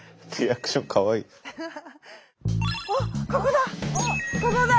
おっここだ！